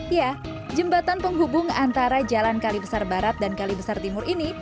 ya jembatan penghubung antara jalan kalibesar barat dan kalibesar timur ini